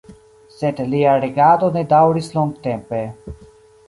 Sed lia regado ne daŭris longtempe.